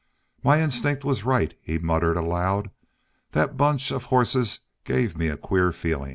"My instinct was right," he muttered, aloud. "That bunch of horses gave me a queer feelin'."